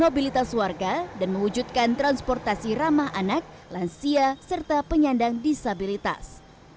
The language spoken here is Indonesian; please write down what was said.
mobilitas warga dan mewujudkan transportasi ramah anak lansia serta penyandang disabilitas